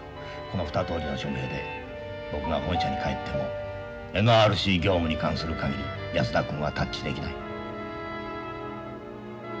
この２通りの署名で僕が本社に帰ってもＮＲＣ業務に関する限り安田君はタッチできない。